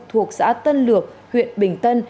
thuộc xã tân lược huyện bình tân